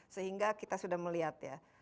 sehingga kita sudah melihat ya